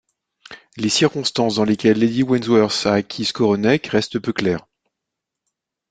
Les circonstances dans lesquelles Lady Wentworth a acquis Skowronek restent peu claires.